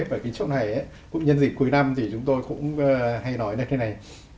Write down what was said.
và cái chỗ này cũng nhân dịp cuối năm thì chúng tôi cũng hay nói là thế này